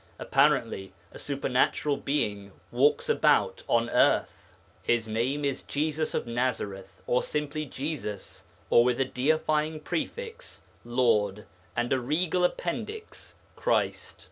Apparently a supernatural Being walks about on earth His name is Jesus of Nazareth, or simply Jesus, or with a deifying prefix 'Lord' and a regal appendix 'Christ.'